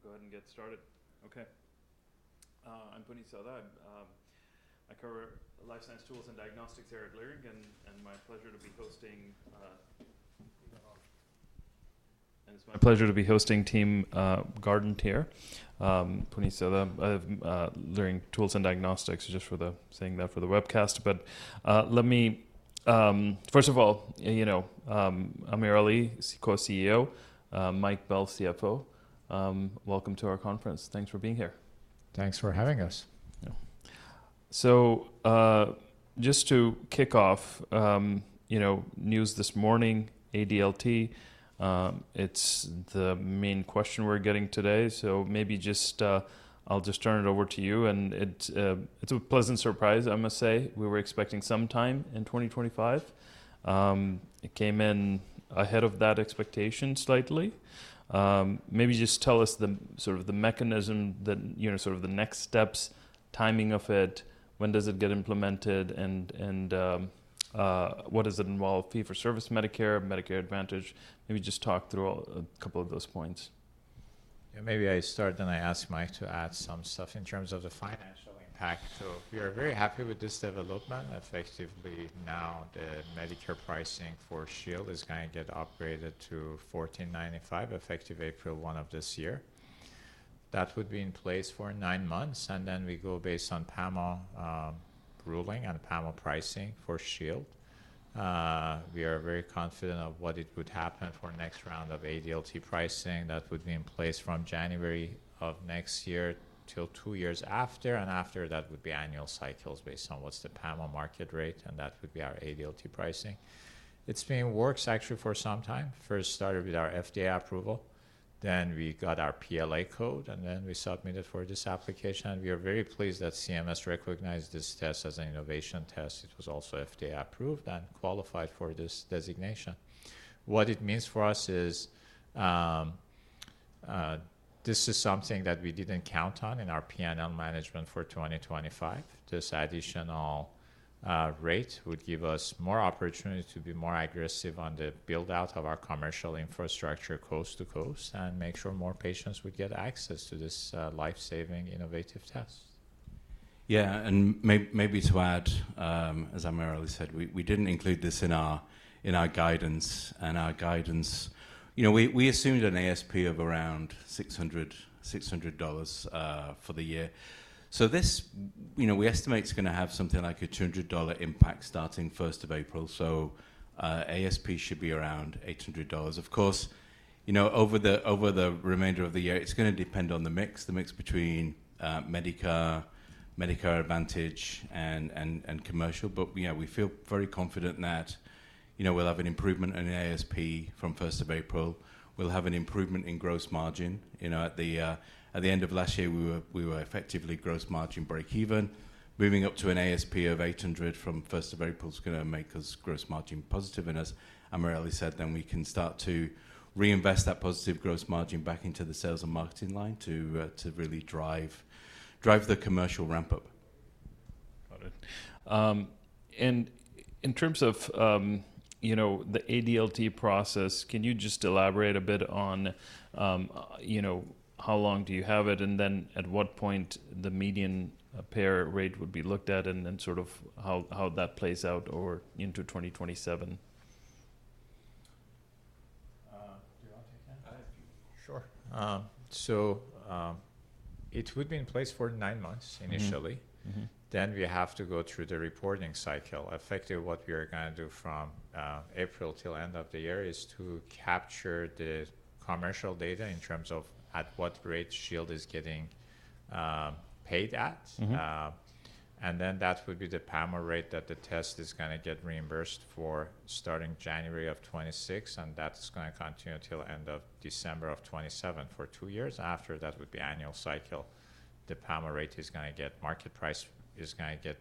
All right. I think we'll go ahead and get started. Okay. I'm Puneet Souda. I cover life science tools and diagnostics here at Leerink, and my pleasure to be hosting. Thank you for having me. It is my pleasure to be hosting Team Guardant here, Puneet Souda. Leerink tools and diagnostics, just for the saying that for the webcast. Let me first of all, AmirAli, Co-CEO, Mike Bell, CFO. Welcome to our conference. Thanks for being here. Thanks for having us. Just to kick off, news this morning, ADLT. It's the main question we're getting today. Maybe I'll just turn it over to you. It's a pleasant surprise, I must say. We were expecting some time in 2025. It came in ahead of that expectation slightly. Maybe just tell us sort of the mechanism, sort of the next steps, timing of it. When does it get implemented, and what does it involve? Fee for service, Medicare, Medicare Advantage. Maybe just talk through a couple of those points. Yeah. Maybe I start, then I ask Mike to add some stuff in terms of the financial impact. We are very happy with this development. Effectively, now the Medicare pricing for Shield is going to get upgraded to $1,495, effective April 1 of this year. That would be in place for nine months. We go based on PAMA ruling and PAMA pricing for Shield. We are very confident of what would happen for next round of ADLT pricing. That would be in place from January of next year till two years after. After that, it would be annual cycles based on what's the PAMA market rate. That would be our ADLT pricing. It's been in works, actually, for some time. First started with our FDA approval. Then we got our PLA code, and then we submitted for this application. We are very pleased that CMS recognized this test as an innovation test. It was also FDA approved and qualified for this designation. What it means for us is this is something that we didn't count on in our P&L management for 2025. This additional rate would give us more opportunity to be more aggressive on the build-out of our commercial infrastructure coast to coast and make sure more patients would get access to this life-saving, innovative test. Yeah. Maybe to add, as AmirAli said, we did not include this in our guidance. In our guidance, we assumed an ASP of around $600 for the year. We estimate it is going to have something like a $200 impact starting 1st of April. ASP should be around $800. Of course, over the remainder of the year, it is going to depend on the mix, the mix between Medicare, Medicare Advantage, and commercial. We feel very confident that we will have an improvement in ASP from 1st of April. We will have an improvement in gross margin. At the end of last year, we were effectively gross margin break-even. Moving up to an ASP of $800 from 1st of April is going to make us gross margin positive. As AmirAli said, then we can start to reinvest that positive gross margin back into the sales and marketing line to really drive the commercial ramp-up. Got it. In terms of the ADLT process, can you just elaborate a bit on how long do you have it, and then at what point the median payer rate would be looked at, and then sort of how that plays out into 2027? Do you want to take that? Sure. It would be in place for nine months initially. Then we have to go through the reporting cycle. Effectively, what we are going to do from April till end of the year is to capture the commercial data in terms of at what rate Shield is getting paid at. That would be the PAMA rate that the test is going to get reimbursed for starting January of 2026. That is going to continue till end of December of 2027 for two years. After that would be annual cycle. The PAMA rate is going to get market price is going to get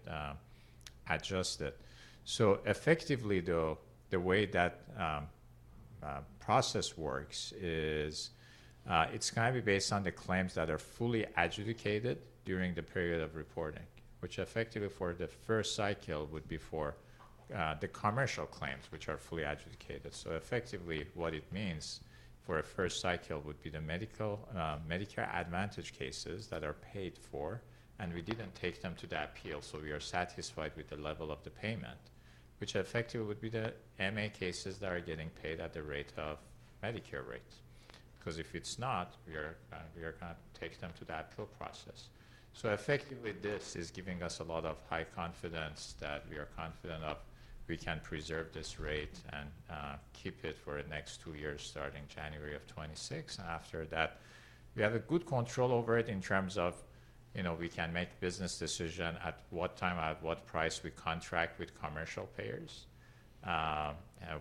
adjusted. Effectively, though, the way that process works is it is going to be based on the claims that are fully adjudicated during the period of reporting, which effectively for the first cycle would be for the commercial claims, which are fully adjudicated. Effectively, what it means for a first cycle would be the Medicare Advantage cases that are paid for, and we did not take them to the appeal. We are satisfied with the level of the payment, which effectively would be the MA cases that are getting paid at the rate of Medicare rate. Because if it is not, we are going to take them to the appeal process. Effectively, this is giving us a lot of high confidence that we are confident we can preserve this rate and keep it for the next two years starting January of 2026. After that, we have good control over it in terms of we can make business decisions at what time, at what price we contract with commercial payers,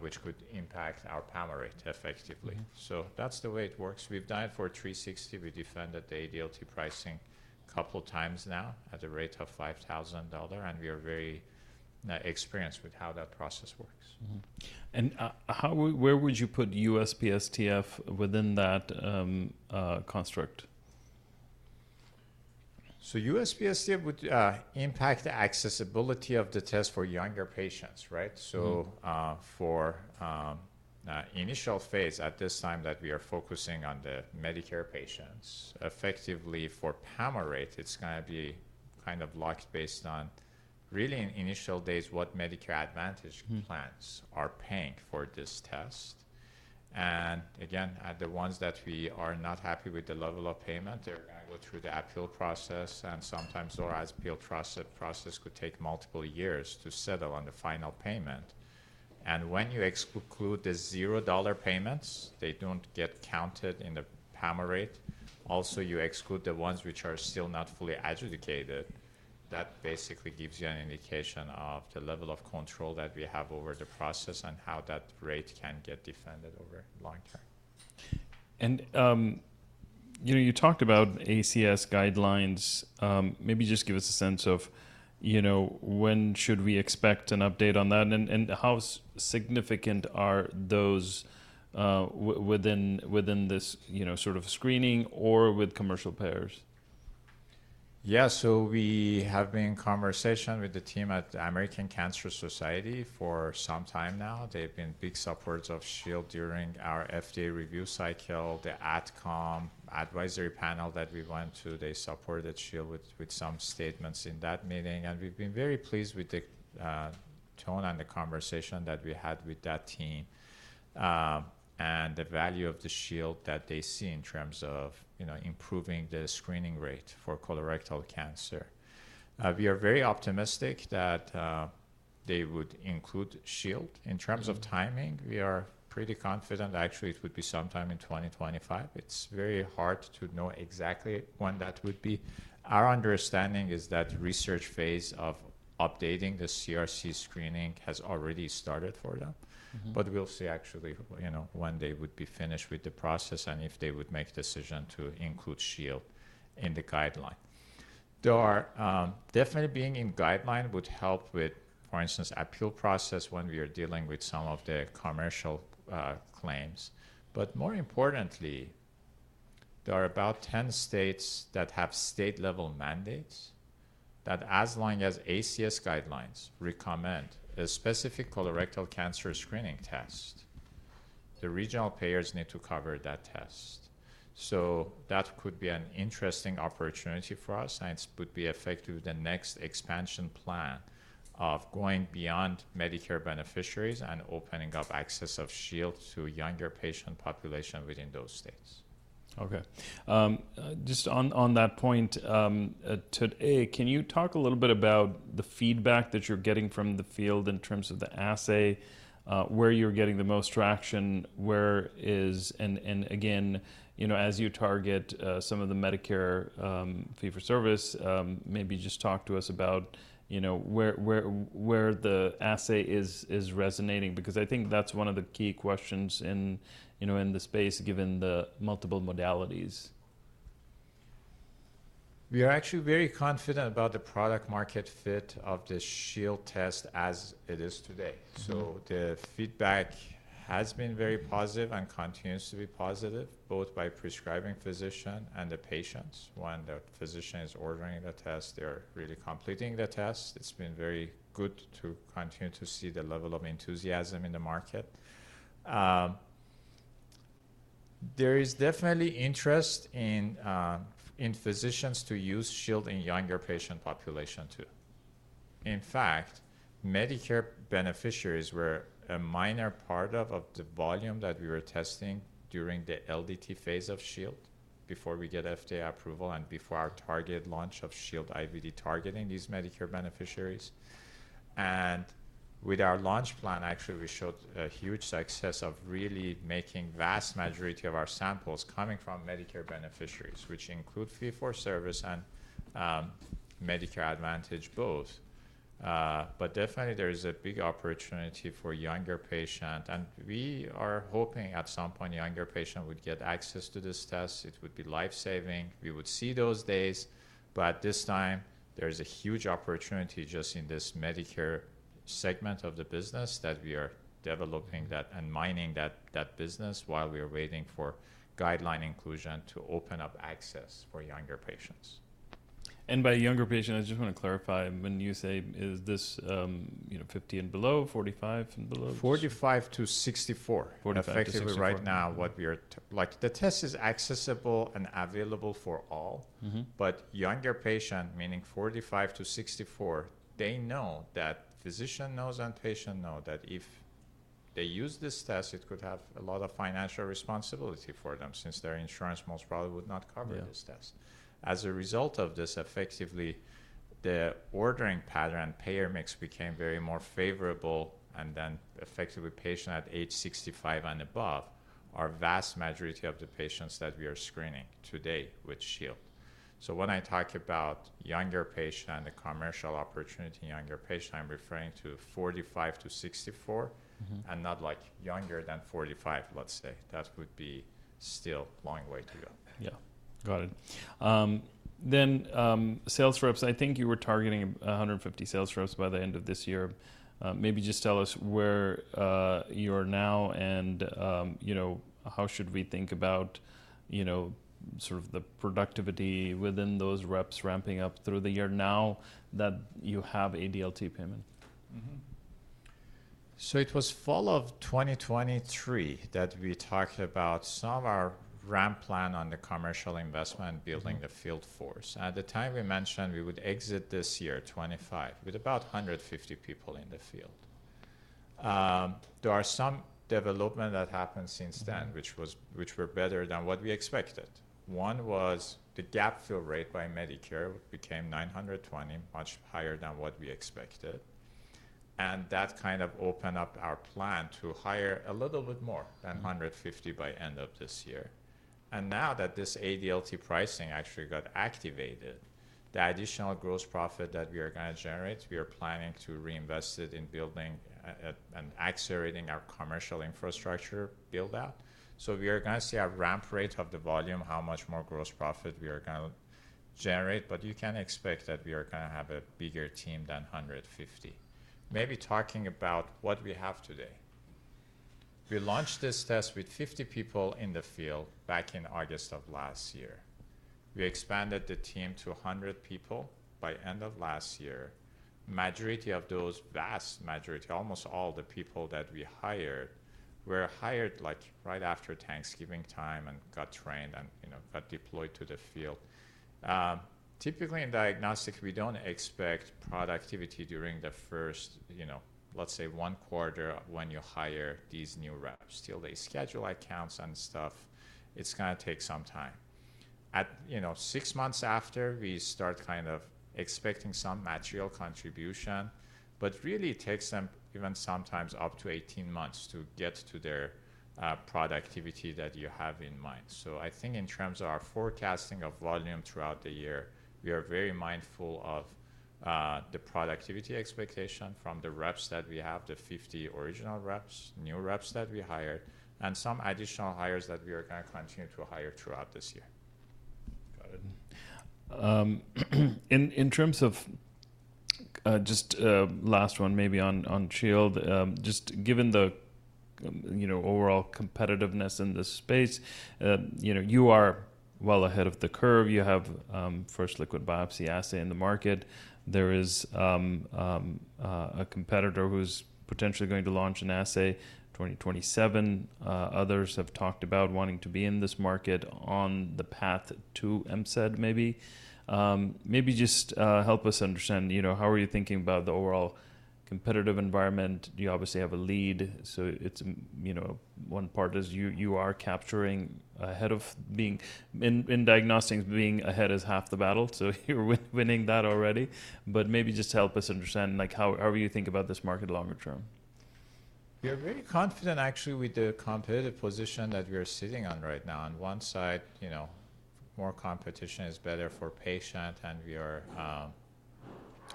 which could impact our PAMA rate effectively. That is the way it works. We have done it for 360. We defended the ADLT pricing a couple of times now at a rate of $5,000. We are very experienced with how that process works. Where would you put USPSTF within that construct? USPSTF would impact the accessibility of the test for younger patients, right? For initial phase at this time that we are focusing on the Medicare patients, effectively for PAMA rate, it's going to be kind of locked based on really in initial days what Medicare Advantage plans are paying for this test. Again, the ones that we are not happy with the level of payment, they're going to go through the appeal process. Sometimes or as appeal process could take multiple years to settle on the final payment. When you exclude the $0 payments, they don't get counted in the PAMA rate. Also, you exclude the ones which are still not fully adjudicated. That basically gives you an indication of the level of control that we have over the process and how that rate can get defended over long term. You talked about ACS guidelines. Maybe just give us a sense of when should we expect an update on that, and how significant are those within this sort of screening or with commercial payers? Yeah. We have been in conversation with the team at American Cancer Society for some time now. They've been big supporters of Shield during our FDA review cycle. The AdCom advisory panel that we went to, they supported Shield with some statements in that meeting. We have been very pleased with the tone and the conversation that we had with that team and the value of the Shield that they see in terms of improving the screening rate for colorectal cancer. We are very optimistic that they would include Shield. In terms of timing, we are pretty confident. Actually, it would be sometime in 2025. It's very hard to know exactly when that would be. Our understanding is that research phase of updating the CRC screening has already started for them. We'll see actually when they would be finished with the process and if they would make a decision to include Shield in the guideline. Definitely being in guideline would help with, for instance, appeal process when we are dealing with some of the commercial claims. More importantly, there are about 10 states that have state-level mandates that as long as ACS guidelines recommend a specific colorectal cancer screening test, the regional payers need to cover that test. That could be an interesting opportunity for us. It would be effective with the next expansion plan of going beyond Medicare beneficiaries and opening up access of Shield to younger patient population within those states. Okay. Just on that point, today, can you talk a little bit about the feedback that you're getting from the field in terms of the assay, where you're getting the most traction, where is and again, as you target some of the Medicare fee for service, maybe just talk to us about where the assay is resonating. Because I think that's one of the key questions in the space given the multiple modalities. We are actually very confident about the product-market fit of the Shield test as it is today. The feedback has been very positive and continues to be positive, both by prescribing physician and the patients. When the physician is ordering the test, they're really completing the test. It's been very good to continue to see the level of enthusiasm in the market. There is definitely interest in physicians to use Shield in younger patient population too. In fact, Medicare beneficiaries were a minor part of the volume that we were testing during the LDT phase of Shield before we get FDA approval and before our target launch of Shield IVD targeting these Medicare beneficiaries. With our launch plan, actually, we showed a huge success of really making the vast majority of our samples coming from Medicare beneficiaries, which include fee for service and Medicare Advantage both. There is definitely a big opportunity for younger patients. We are hoping at some point younger patients would get access to this test. It would be life-saving. We would see those days. At this time, there is a huge opportunity just in this Medicare segment of the business. We are developing and mining that business while we are waiting for guideline inclusion to open up access for younger patients. By younger patient, I just want to clarify. When you say is this 50 and below, 45 and below? 45 to 64. 45 to 64. Effectively right now, what we are like the test is accessible and available for all. Younger patient, meaning 45 to 64, they know that physician knows and patient know that if they use this test, it could have a lot of financial responsibility for them since their insurance most probably would not cover this test. As a result of this, effectively, the ordering pattern, payer mix became very more favorable. Effectively, patient at age 65 and above are vast majority of the patients that we are screening today with Shield. When I talk about younger patient and the commercial opportunity in younger patient, I'm referring to 45 to 64 and not like younger than 45, let's say. That would be still a long way to go. Yeah. Got it. Sales reps, I think you were targeting 150 sales reps by the end of this year. Maybe just tell us where you are now and how should we think about sort of the productivity within those reps ramping up through the year now that you have ADLT payment? It was fall of 2023 that we talked about some of our ramp plan on the commercial investment building the field force. At the time, we mentioned we would exit this year 2025 with about 150 people in the field. There are some developments that happened since then, which were better than what we expected. One was the gap fill rate by Medicare became $920, much higher than what we expected. That kind of opened up our plan to hire a little bit more than 150 by end of this year. Now that this ADLT pricing actually got activated, the additional gross profit that we are going to generate, we are planning to reinvest it in building and accelerating our commercial infrastructure build-out. We are going to see a ramp rate of the volume, how much more gross profit we are going to generate. You can expect that we are going to have a bigger team than 150. Maybe talking about what we have today. We launched this test with 50 people in the field back in August of last year. We expanded the team to 100 people by end of last year. Majority of those, vast majority, almost all the people that we hired, were hired like right after Thanksgiving time and got trained and got deployed to the field. Typically in diagnostic, we don't expect productivity during the first, let's say, one quarter when you hire these new reps. Still, they schedule accounts and stuff. It's going to take some time. Six months after, we start kind of expecting some material contribution. Really, it takes them even sometimes up to 18 months to get to their productivity that you have in mind. I think in terms of our forecasting of volume throughout the year, we are very mindful of the productivity expectation from the reps that we have, the 50 original reps, new reps that we hired, and some additional hires that we are going to continue to hire throughout this year. Got it. In terms of just last one, maybe on Shield, just given the overall competitiveness in this space, you are well ahead of the curve. You have first liquid biopsy assay in the market. There is a competitor who's potentially going to launch an assay 2027. Others have talked about wanting to be in this market on the path to MCED maybe. Maybe just help us understand how are you thinking about the overall competitive environment. You obviously have a lead. One part is you are capturing ahead of being in diagnostics, being ahead is half the battle. You're winning that already. Maybe just help us understand how you think about this market longer term. We are very confident actually with the competitive position that we are sitting on right now. On one side, more competition is better for patient. And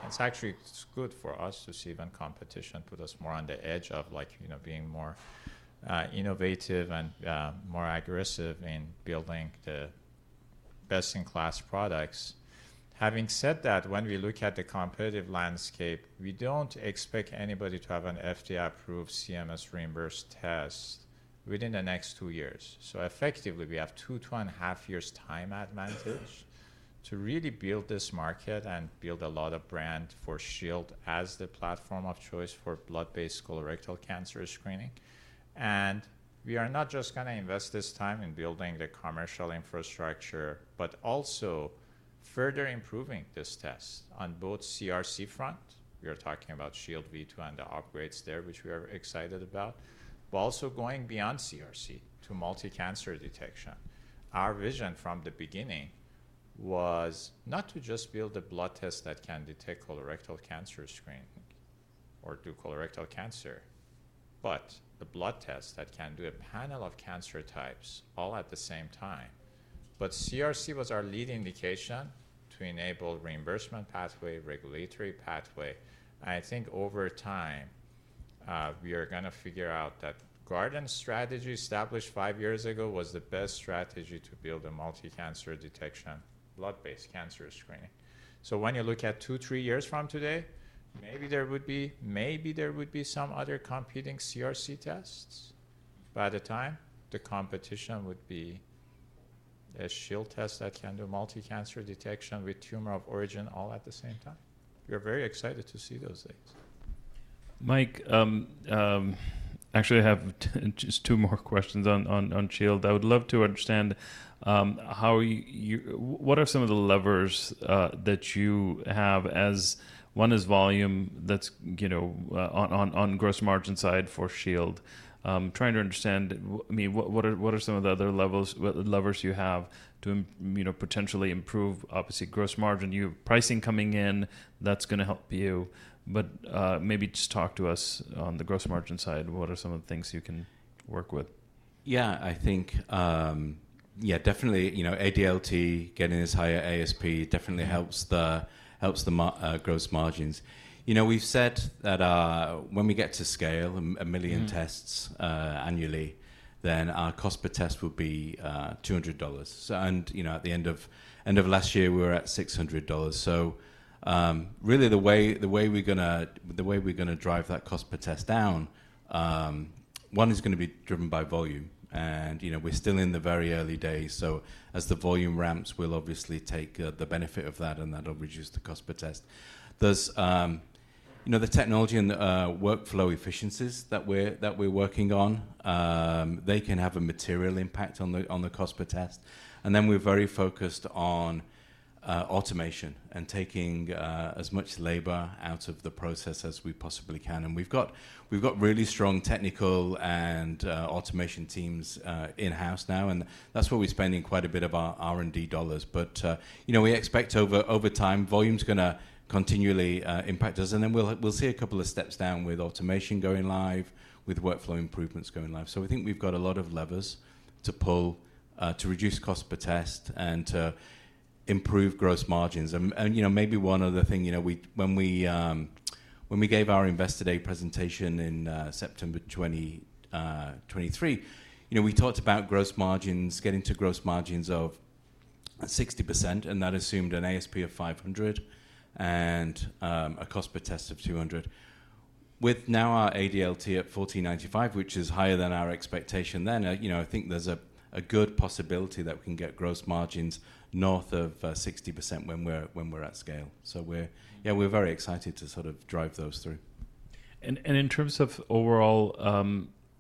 it's actually good for us to see even competition put us more on the edge of being more innovative and more aggressive in building the best-in-class products. Having said that, when we look at the competitive landscape, we don't expect anybody to have an FDA-approved CMS reimbursed test within the next two years. So effectively, we have two to two and a half years' time advantage to really build this market and build a lot of brand for Shield as the platform of choice for blood-based colorectal cancer screening. And we are not just going to invest this time in building the commercial infrastructure, but also further improving this test on both CRC front. We are talking about Shield V2 and the upgrades there, which we are excited about, but also going beyond CRC to multicancer detection. Our vision from the beginning was not to just build a blood test that can detect colorectal cancer screening or do colorectal cancer, but a blood test that can do a panel of cancer types all at the same time. CRC was our lead indication to enable reimbursement pathway, regulatory pathway. I think over time, we are going to figure out that Guardant strategy established five years ago was the best strategy to build a multicancer detection blood-based cancer screening. When you look at two, three years from today, maybe there would be maybe there would be some other competing CRC tests. By the time, the competition would be a Shield test that can do multicancer detection with tumor of origin all at the same time. We are very excited to see those things. Mike, actually, I have just two more questions on Shield. I would love to understand what are some of the levers that you have as one is volume that's on gross margin side for Shield. Trying to understand, I mean, what are some of the other levers you have to potentially improve obviously gross margin? You have pricing coming in that's going to help you. Maybe just talk to us on the gross margin side. What are some of the things you can work with? Yeah. I think, yeah, definitely ADLT getting this higher ASP definitely helps the gross margins. We've said that when we get to scale a million tests annually, then our cost per test will be $200. At the end of last year, we were at $600. Really, the way we're going to drive that cost per test down, one is going to be driven by volume. We're still in the very early days. As the volume ramps, we'll obviously take the benefit of that, and that'll reduce the cost per test. There are the technology and workflow efficiencies that we're working on. They can have a material impact on the cost per test. We're very focused on automation and taking as much labor out of the process as we possibly can. We've got really strong technical and automation teams in-house now. That's where we're spending quite a bit of our R&D dollars. We expect over time, volume's going to continually impact us. We will see a couple of steps down with automation going live, with workflow improvements going live. I think we've got a lot of levers to pull to reduce cost per test and to improve gross margins. Maybe one other thing, when we gave our Investor Day presentation in September 2023, we talked about gross margins, getting to gross margins of 60%. That assumed an ASP of $500 and a cost per test of $200. With now our ADLT at $1,495, which is higher than our expectation then, I think there's a good possibility that we can get gross margins north of 60% when we're at scale. Yeah, we're very excited to sort of drive those through. In terms of overall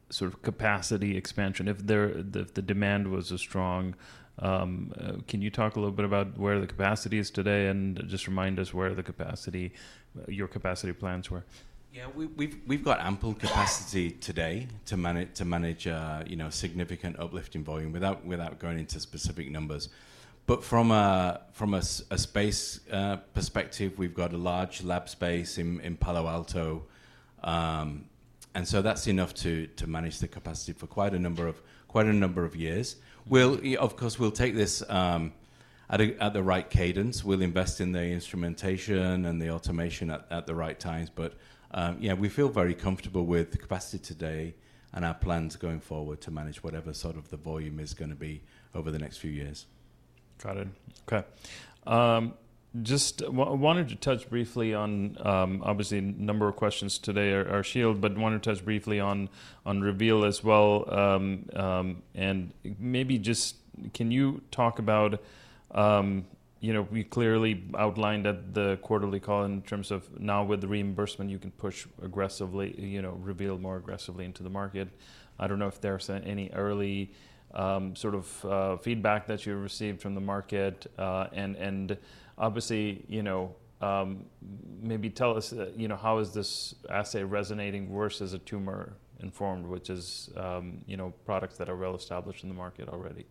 sort of capacity expansion, if the demand was strong, can you talk a little bit about where the capacity is today and just remind us where your capacity plans were? Yeah. We've got ample capacity today to manage significant uplift in volume without going into specific numbers. From a space perspective, we've got a large lab space in Palo Alto. That is enough to manage the capacity for quite a number of years. Of course, we'll take this at the right cadence. We'll invest in the instrumentation and the automation at the right times. Yeah, we feel very comfortable with the capacity today and our plans going forward to manage whatever sort of the volume is going to be over the next few years. Got it. Okay. Just wanted to touch briefly on obviously a number of questions today are Shield, but wanted to touch briefly on Reveal as well. Maybe just can you talk about we clearly outlined at the quarterly call in terms of now with the reimbursement, you can push aggressively, Reveal more aggressively into the market. I do not know if there is any early sort of feedback that you received from the market. Obviously, maybe tell us how is this assay resonating versus a tumor-informed, which is products that are well established in the market already.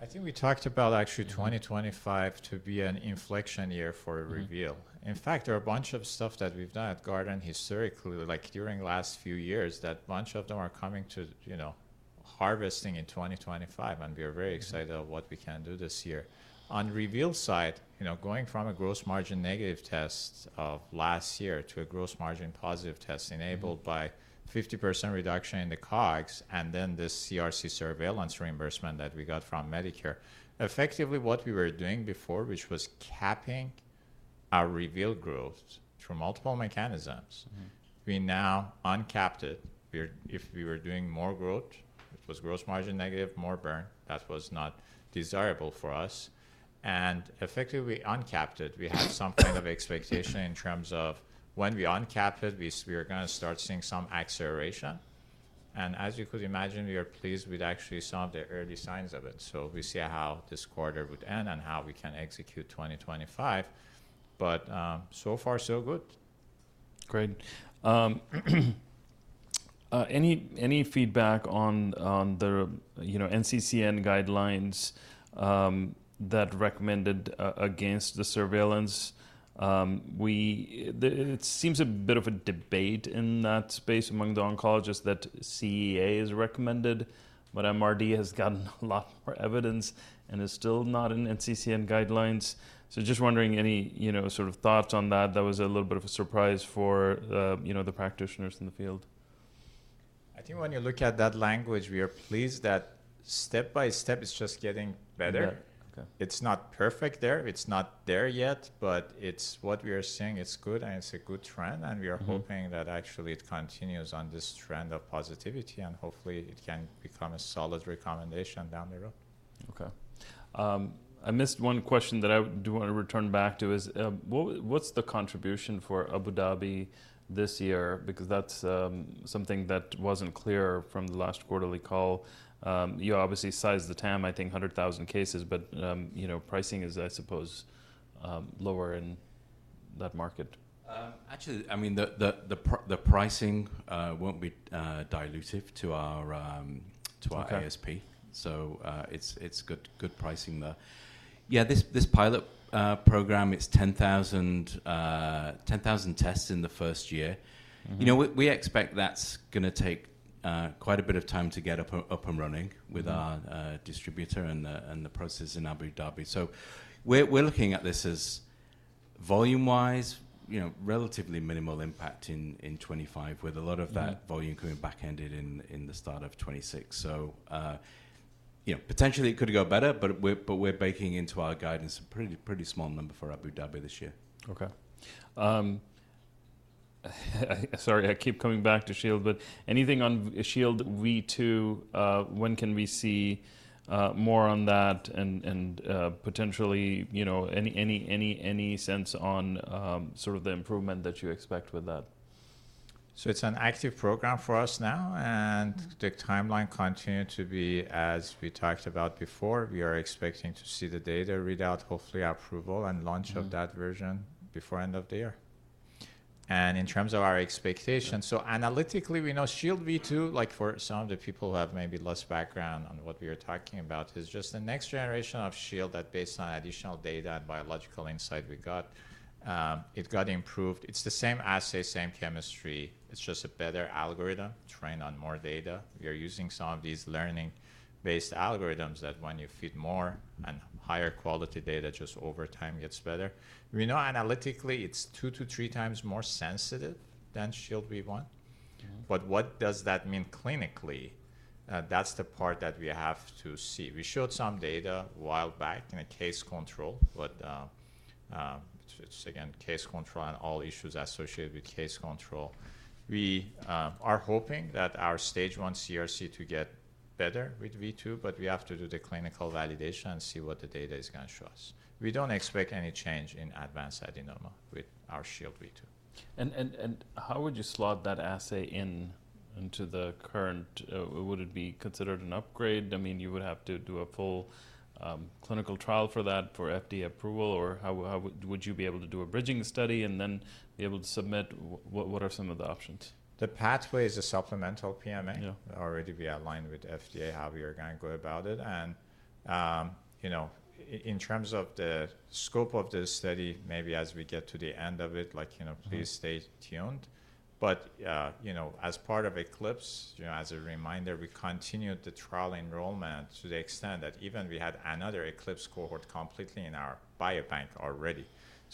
I think we talked about actually 2025 to be an inflection year for Reveal. In fact, there are a bunch of stuff that we've done at Guardant historically like during last few years that a bunch of them are coming to harvesting in 2025. We are very excited about what we can do this year. On Reveal side, going from a gross margin negative test of last year to a gross margin positive test enabled by 50% reduction in the COGS and then this CRC surveillance reimbursement that we got from Medicare. Effectively, what we were doing before, which was capping our Reveal growth through multiple mechanisms, we now uncapped it. If we were doing more growth, it was gross margin negative, more burn. That was not desirable for us. Effectively, we uncapped it. We had some kind of expectation in terms of when we uncapped it, we are going to start seeing some acceleration. As you could imagine, we are pleased with actually some of the early signs of it. We see how this quarter would end and how we can execute 2025. So far, so good. Great. Any feedback on the NCCN guidelines that recommended against the surveillance? It seems a bit of a debate in that space among the oncologists that CEA is recommended, but MRD has gotten a lot more evidence and is still not in NCCN guidelines. Just wondering any sort of thoughts on that. That was a little bit of a surprise for the practitioners in the field. I think when you look at that language, we are pleased that step by step, it's just getting better. It's not perfect there. It's not there yet, but what we are seeing, it's good and it's a good trend. We are hoping that actually it continues on this trend of positivity. Hopefully, it can become a solid recommendation down the road. Okay. I missed one question that I do want to return back to is what's the contribution for Abu Dhabi this year? Because that's something that wasn't clear from the last quarterly call. You obviously sized the TAM, I think, 100,000 cases, but pricing is, I suppose, lower in that market. Actually, I mean, the pricing won't be dilutive to our ASP. So it's good pricing there. Yeah, this pilot program, it's 10,000 tests in the first year. We expect that's going to take quite a bit of time to get up and running with our distributor and the process in Abu Dhabi. So we're looking at this as volume-wise, relatively minimal impact in 2025 with a lot of that volume coming backhanded in the start of 2026. So potentially, it could go better, but we're baking into our guidance a pretty small number for Abu Dhabi this year. Okay. Sorry, I keep coming back to Shield, but anything on Shield V2? When can we see more on that and potentially any sense on sort of the improvement that you expect with that? It is an active program for us now. The timeline continues to be as we talked about before. We are expecting to see the data read out, hopefully approval and launch of that version before end of the year. In terms of our expectation, analytically, we know Shield V2, like for some of the people who have maybe less background on what we are talking about, is just the next generation of Shield that based on additional data and biological insight we got, it got improved. It is the same assay, same chemistry. It is just a better algorithm trained on more data. We are using some of these learning-based algorithms that when you feed more and higher quality data, just over time gets better. We know analytically, it is two to three times more sensitive than Shield V1. What does that mean clinically? That's the part that we have to see. We showed some data a while back in a case control, but it's again, case control and all issues associated with case control. We are hoping that our stage one CRC to get better with V2, but we have to do the clinical validation and see what the data is going to show us. We don't expect any change in advanced adenoma with our Shield V2. How would you slot that assay into the current? Would it be considered an upgrade? I mean, you would have to do a full clinical trial for that for FDA approval, or would you be able to do a bridging study and then be able to submit? What are some of the options? The pathway is a supplemental PMA. Already we aligned with FDA how we are going to go about it. In terms of the scope of this study, maybe as we get to the end of it, please stay tuned. As part of Eclipse, as a reminder, we continued the trial enrollment to the extent that even we had another Eclipse cohort completely in our biobank already.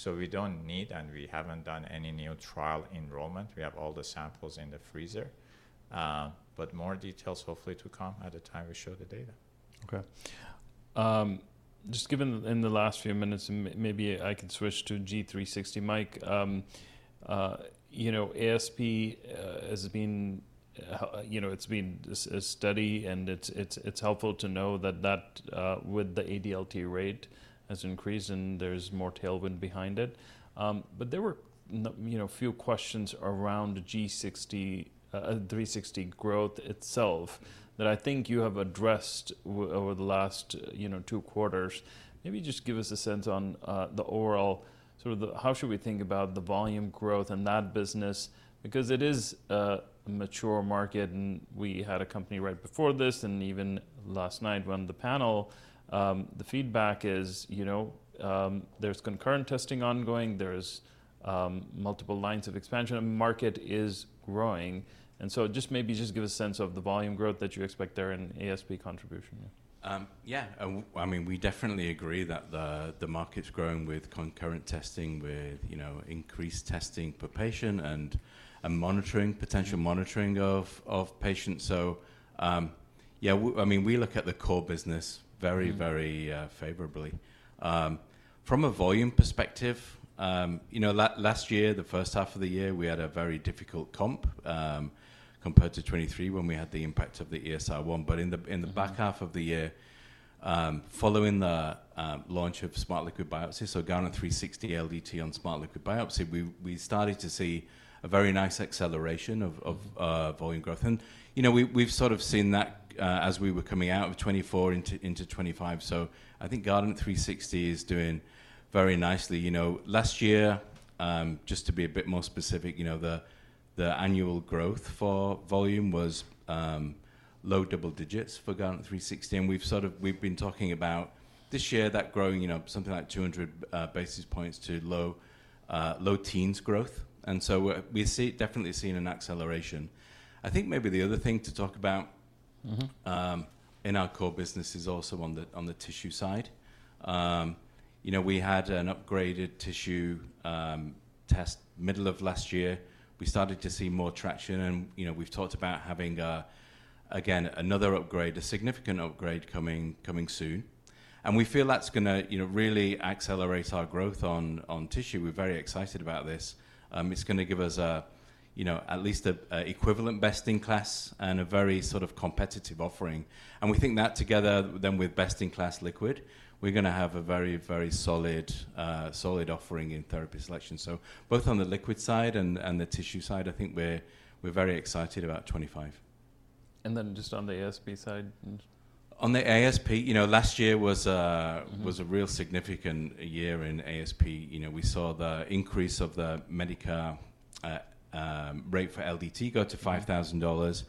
We do not need and we have not done any new trial enrollment. We have all the samples in the freezer. More details hopefully to come at the time we show the data. Okay. Just given in the last few minutes, maybe I could switch to G360. Mike, ASP has been a study, and it's helpful to know that with the ADLT rate has increased and there's more tailwind behind it. There were a few questions around G360 growth itself that I think you have addressed over the last two quarters. Maybe just give us a sense on the overall sort of how should we think about the volume growth and that business? Because it is a mature market, and we had a company right before this, and even last night when the panel, the feedback is there's concurrent testing ongoing. There's multiple lines of expansion. The market is growing. Maybe just give a sense of the volume growth that you expect there in ASP contribution. Yeah. I mean, we definitely agree that the market's growing with concurrent testing, with increased testing per patient and potential monitoring of patients. Yeah, I mean, we look at the core business very, very favorably. From a volume perspective, last year, the first half of the year, we had a very difficult comp compared to 2023 when we had the impact of the ESR1. In the back half of the year, following the launch of Smart Liquid Biopsy, so Guardant 360 LDT on Smart Liquid Biopsy we started to see a very nice acceleration of volume growth. We have sort of seen that as we were coming out of 2024 into 2025. I think Guardant 360 is doing very nicely. Last year, just to be a bit more specific, the annual growth for volume was low double digits for Guardant 360. We have been talking about this year that growing something like 200 basis points to low teens growth. We are definitely seeing an acceleration. I think maybe the other thing to talk about in our core business is also on the tissue side. We had an upgraded tissue test middle of last year. We started to see more traction. We have talked about having, again, another upgrade, a significant upgrade coming soon. We feel that is going to really accelerate our growth on tissue. We are very excited about this. It is going to give us at least an equivalent best-in-class and a very sort of competitive offering. We think that together then with best-in-class liquid, we are going to have a very, very solid offering in therapy selection. Both on the liquid side and the tissue side, I think we are very excited about 2025. Just on the ASP side? On the ASP, last year was a real significant year in ASP. We saw the increase of the Medicare rate for LDT go to $5,000.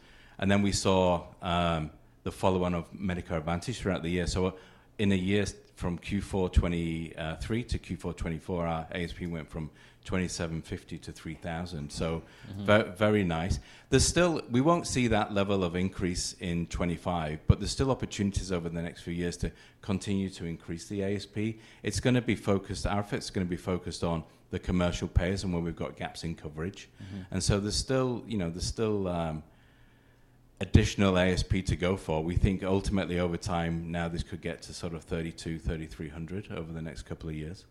Then we saw the follow-on of Medicare Advantage throughout the year. In a year from Q4 2023 to Q4 2024, our ASP went from $2,750 to $3,000. Very nice. We won't see that level of increase in 2025, but there are still opportunities over the next few years to continue to increase the ASP. It's going to be focused, our efforts are going to be focused on the commercial payers and where we've got gaps in coverage. There is still additional ASP to go for. We think ultimately over time now this could get to sort of $3,200-$3,300 over the next couple of years.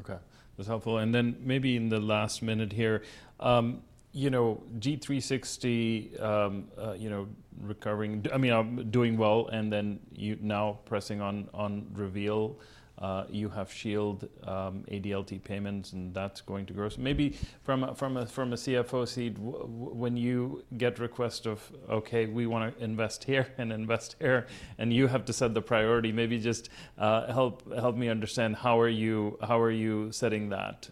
Okay. That's helpful. Maybe in the last minute here, G360 recovering, I mean, doing well, and now pressing on Reveal, you have Shield ADLT payments, and that's going to grow. Maybe from a CFO seat, when you get requests of, "Okay, we want to invest here and invest here," and you have to set the priority, maybe just help me understand how are you setting that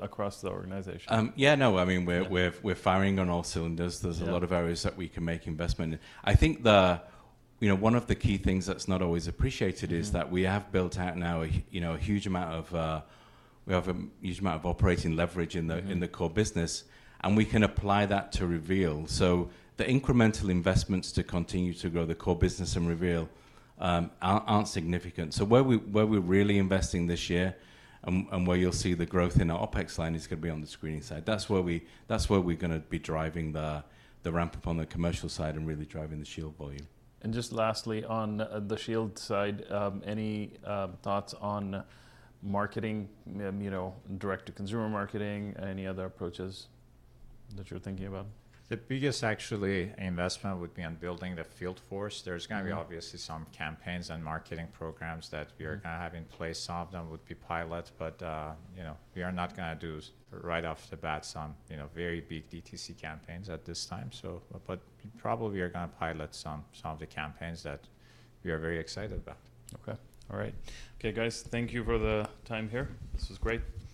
across the organization. Yeah, no, I mean, we're firing on all cylinders. There's a lot of areas that we can make investment in. I think one of the key things that's not always appreciated is that we have built out now a huge amount of operating leverage in the core business, and we can apply that to Reveal. The incremental investments to continue to grow the core business and Reveal aren't significant. Where we're really investing this year and where you'll see the growth in our OpEx line is going to be on the screening side. That's where we're going to be driving the ramp up on the commercial side and really driving the Shield volume. Just lastly, on the Shield side, any thoughts on marketing, direct-to-consumer marketing, any other approaches that you're thinking about? The biggest actually investment would be on building the field force. There is going to be obviously some campaigns and marketing programs that we are going to have in place. Some of them would be pilots, but we are not going to do right off the bat some very big DTC campaigns at this time. Probably we are going to pilot some of the campaigns that we are very excited about. Okay. All right. Okay, guys, thank you for the time here. This was great.